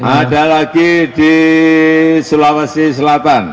ada lagi di sulawesi selatan